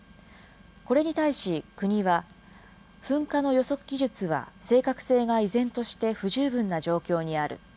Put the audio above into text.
これに対し国は、噴火の予測技術は正確性が依然として不十分な状況にある。